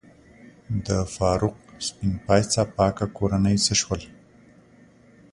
د فاروق سپین پایڅه پاکه کورنۍ څه شول؟